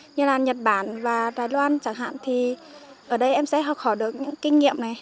như là nhật bản và đài loan chẳng hạn thì ở đây em sẽ học hỏi được những kinh nghiệm này